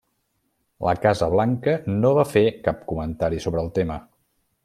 La Casa Blanca no va fer cap comentari sobre el tema.